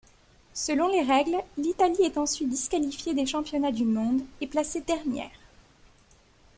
Selon les règles, l'Italie est ensuite disqualifiée des championnats du monde et placée dernière.